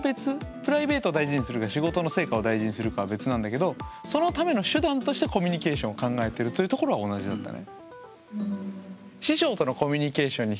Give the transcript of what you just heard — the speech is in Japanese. プライベートを大事にするか仕事の成果を大事にするかは別なんだけどそのための手段としてコミュニケーションを考えてるというところは同じだったね。